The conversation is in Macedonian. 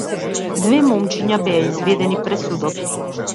Двете момчиња беа изведени пред судот.